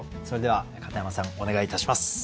それでは片山さんお願いいたします。